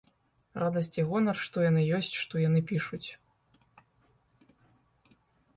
Радасць і гонар, што яны ёсць, што яны пішуць.